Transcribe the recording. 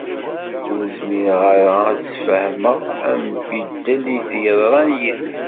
Ur zmireɣ ara ad d-sfehmeɣ ambiddel i yeḍran yid-s.